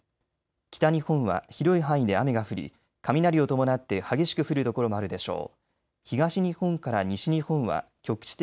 北日本は広い範囲で雨が降り雷を伴って激しく降る所もあるでしょう。